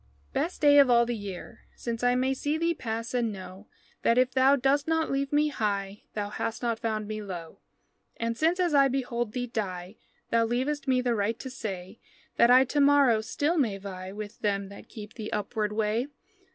Best day of all the year, since I May see thee pass and know That if thou dost not leave me high Thou hast not found me low, And since, as I behold thee die, Thou leavest me the right to say That I to morrow still may vie With them that keep the upward way.